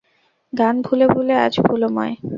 – গান ভুলে ভুলে আজ ভুলময়!